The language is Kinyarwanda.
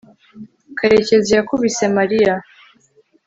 karekezi yakubise mariya